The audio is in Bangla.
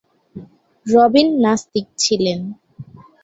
রবিন নাস্তিক ছিলেন।